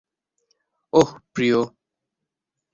ওহ, প্রিয়।